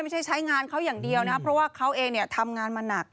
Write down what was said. ใช้ใช้งานเขาอย่างเดียวนะครับเพราะว่าเขาเองเนี่ยทำงานมาหนัก